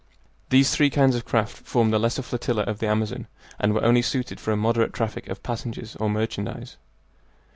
These three kinds of craft formed the lesser flotilla of the Amazon, and were only suited for a moderate traffic of passengers or merchandise.